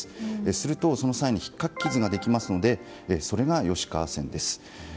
すると、その際引っかき傷ができるのでそれが吉川線です。